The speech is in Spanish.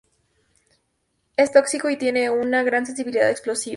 Es tóxico y tiene una gran sensibilidad explosiva.